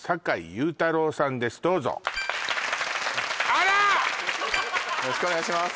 よろしくお願いします